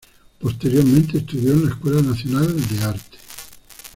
Posteriormente estudió en la Escuela Nacional de Arte.